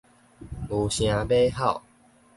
牛聲馬吼